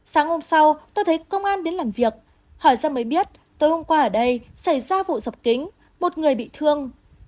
sáng hôm sau tôi thấy công an đến làm việc hỏi ra mới biết tôi hôm qua ở đây xảy ra vụ dập kính một người bị thương